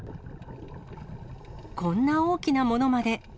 こんな大きなものまで。